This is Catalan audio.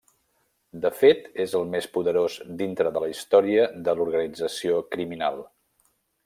De fet és el més poderós dintre de la història de l'organització criminal.